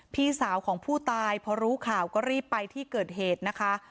พี่สาวของผู้ตายพอรู้ข่าวก็รีบไปที่เกิดเหตุนะคะ